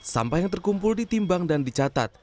sampah yang terkumpul ditimbang dan dicatat